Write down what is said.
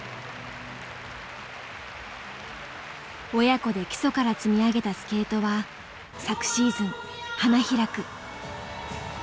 親子で基礎から積み上げたスケートは昨シーズン花開く。